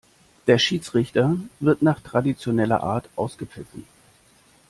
Der Schiedsrichter wird nach traditioneller Art ausgepfiffen.